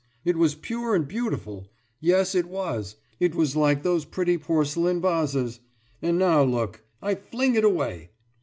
It was pure and beautiful. Yes, it was! It was like those pretty porcelain vases. And now, look! I fling it away....